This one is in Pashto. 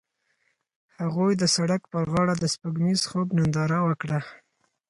هغوی د سړک پر غاړه د سپوږمیز خوب ننداره وکړه.